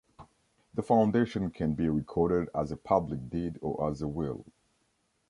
The foundation can be recorded as a public deed or as a will.